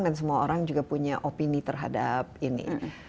dan semua orang juga punya opini terhadap ini